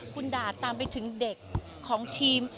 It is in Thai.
คุณด่าตามไปถึงเด็กของทีม